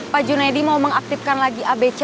pak junaidi mau mengaktifkan lagi abc